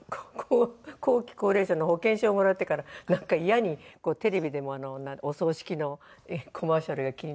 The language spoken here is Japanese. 後期高齢者の保険証をもらってからなんかいやにテレビでもお葬式のコマーシャルが気になったりして。